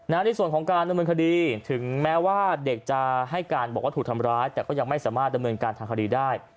ในส่วนของการดำเนินคดีถึงแม้ว่าเด็กจะให้การบอกว่าถูกทำร้ายแต่ก็ยังไม่สามารถดำเนินการทางคดีได้